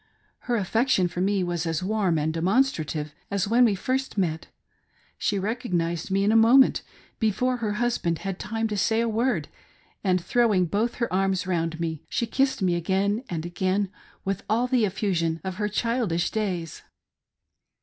Her affection for me was as warm and demonstrative as when we first met :—^ She recognised me in a moment, before her husband had time to say a word ; and, throwing both her airms round me, she kissed me again and again with all the effusion of her childish days.